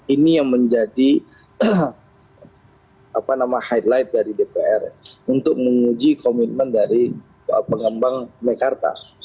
ini yang menjadi apa nama highlight dari dpr untuk menguji komitmen dari pengambang mekarta